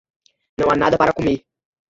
Não há nada para comer.